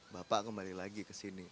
bapak kembali lagi ke sini